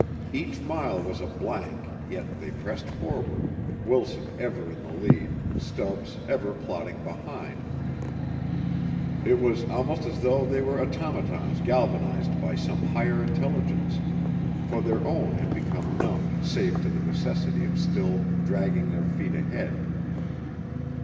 Each mile was a blank, yet they pressed forward, Wilson ever in the lead, Stubbs ever plodding behind. It was almost as though they were automatons galvanized by some higher intelligence, for their own had become numbed save to the necessity of still dragging their feet ahead.